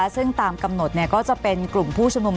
ซึ่งตามกำหนดก็จะเป็นกลุ่มผู้ชุมนุม